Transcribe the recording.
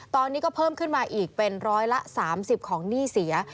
ตอนนี้ก็เพิ่มขึ้นมาอีกเป็นร้อยละ๓๐ของหนี้เสีย